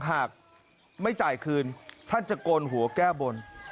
หากไม่จ่ายคืนท่านจะโกนหัวแก้บน